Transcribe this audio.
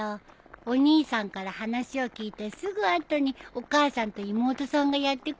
お兄さんから話を聞いてすぐ後にお母さんと妹さんがやって来るなんてね。